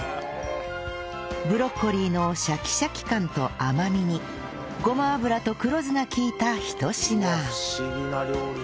ブロッコリーのシャキシャキ感と甘みにごま油と黒酢が利いたひと品